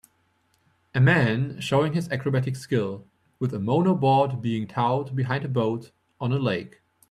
A man showing his acrobatic skill with a monoboard being towed behind a boat on a lake.